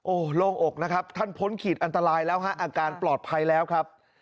โอ้โหโล่งอกนะครับท่านพ้นขีดอันตรายแล้วฮะอาการปลอดภัยแล้วครับ